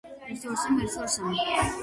მან სცადა, ბაბას ლექციები მუსიკაში გადაეტანა.